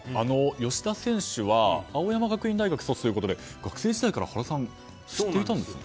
吉田選手は青山学院大学卒ということで学生時代から原さん知っていたんですか？